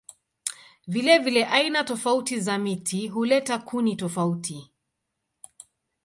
Vilevile aina tofauti za miti huleta kuni tofauti.